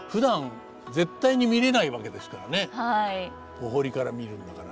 お堀から見るんだから。